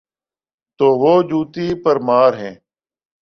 تو وہ جوتی پرمار ہیں۔